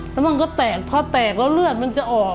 แล้วมันก็แตกพอแตกแล้วเลือดมันจะออก